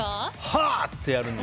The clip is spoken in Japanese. はっ！ってやるの。